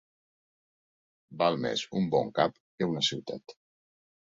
Val més un bon cap que una ciutat.